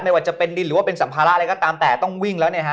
ว่าจะเป็นดินหรือว่าเป็นสัมภาระอะไรก็ตามแต่ต้องวิ่งแล้วเนี่ยฮะ